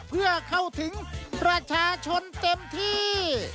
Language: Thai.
เพื่อเข้าถึงประชาชนเต็มที่